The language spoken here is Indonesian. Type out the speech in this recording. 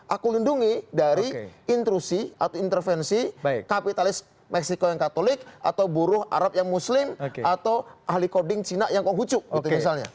aku lindungi dari intrusi atau intervensi kapitalis meksiko yang katolik atau buruh arab yang muslim atau ahli coding cina yang konghucu gitu misalnya